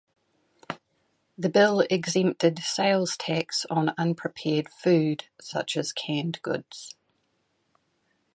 The bill exempted sales tax on unprepared food such as canned goods.